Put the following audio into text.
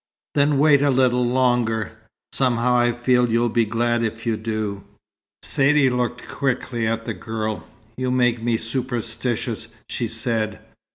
"Then wait a little longer. Somehow I feel you'll be glad if you do." Saidee looked quickly at the girl. "You make me superstitious," she said.